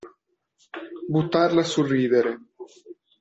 Buttarla sul ridere.